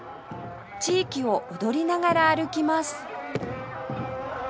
地域を踊りながら歩きます